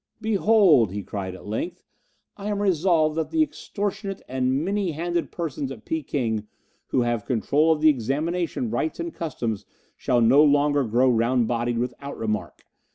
"Behold," he cried at length, "I am resolved that the extortionate and many handed persons at Peking who have control of the examination rites and customs shall no longer grow round bodied without remark.